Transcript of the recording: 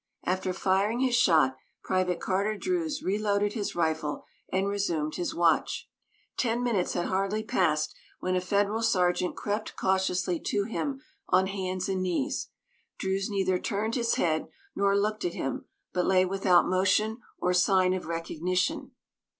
After firing his shot, Private Carter Druse reloaded his rifle and resumed his watch. Ten minutes had hardly passed when a Federal sergeant crept cautiously to him on hands and knees. Druse neither turned his head nor looked at him, but lay without motion or sign of recognition.